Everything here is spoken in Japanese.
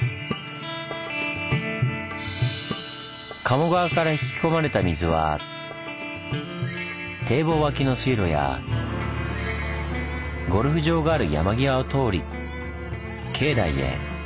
賀茂川から引き込まれた水は堤防脇の水路やゴルフ場がある山際を通り境内へ。